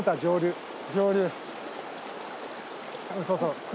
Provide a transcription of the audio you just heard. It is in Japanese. そうそう。